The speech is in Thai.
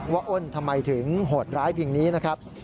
ว่าเอ้นทำไมถึงโหดร้ายแบบนี้นะครับ